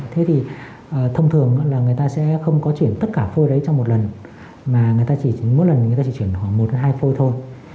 thế thì thông thường là người ta sẽ không có chuyển tất cả phôi đấy trong một lần mà một lần người ta chỉ chuyển khoảng một hai phôi thôi